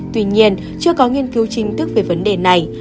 tuy nhiên chưa có nghiên cứu chính thức về vấn đề này